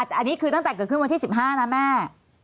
แต่อันนี้คือตั้งแต่เกิดขึ้นวันที่๑๕นะแม่